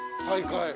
大会。